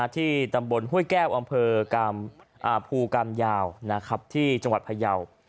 ที่ตำบลห้วยแก้วอำเภอภูกรรมยาวที่จังหวัดพยาว